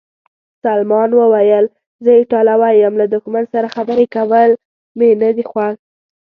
سلمان وویل: زه ایټالوی یم، له دښمن سره خبرې کول مې نه دي خوښ.